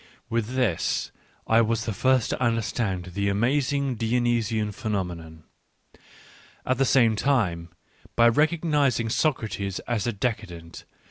— with this I was t he ji rst to und erstand the amazing Dionysian pheno menon ^ At the same time, Jby recognisiog^^cr^tes^ as a de caden t.